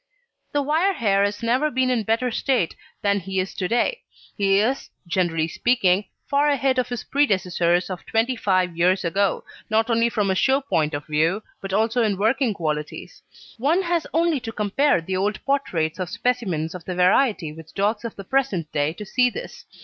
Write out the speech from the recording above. The wire hair has never been in better state than he is to day; he is, generally speaking, far ahead of his predecessors of twenty five years ago, not only from a show point of view, but also in working qualities. One has only to compare the old portraits of specimens of the variety with dogs of the present day to see this.